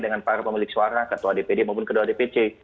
dengan para pemilik suara ketua dpd maupun ketua dpc